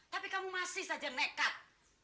tapi kamu masih saja nekat